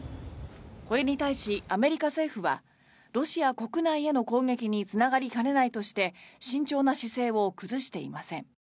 これに対し、アメリカ政府はロシア国内への攻撃につながりかねないとして慎重な姿勢を崩していません。